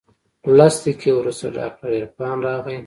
لس دقيقې وروسته ډاکتر عرفان راغى.